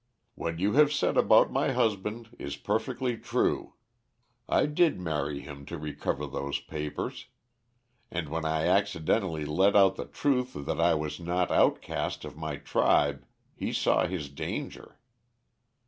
What you have said about my husband is perfectly true. I did marry him to recover those papers. And when I accidently let out the truth that I was not outcast of my tribe he saw his danger.